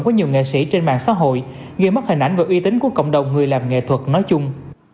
của nhiều nghệ sĩ trên mạng xã hội gây mất hình ảnh và uy tín của cộng đồng người làm nghệ thuật nói chung